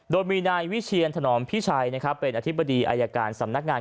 โดยมีนายวิเชียนถนอมพิชัยเป็นอธิบดีอายการสำนักงาน